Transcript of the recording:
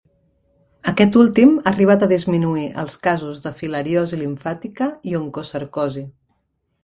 Aquest últim ha arribat a disminuir els casos de filariosi limfàtica i oncocercosi.